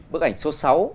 bức ảnh số sáu